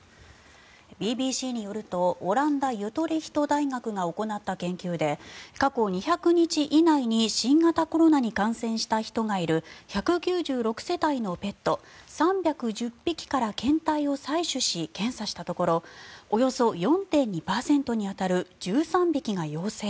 ＢＢＣによるとオランダ・ユトレヒト大学が行った研究で過去２００日以内に新型コロナに感染した人がいる１９６世帯のペット３１０匹から検体を採取し、検査したところおよそ４．２％に当たる１３匹が陽性。